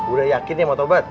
udah yakin ya mau tobat